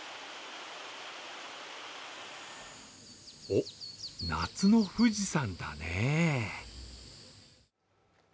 おっ、夏の富士山だね。